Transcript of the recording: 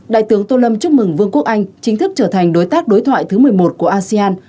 đại tướng tô lâm chúc mừng vương quốc anh chính thức trở thành đối tác đối thoại thứ một mươi một của asean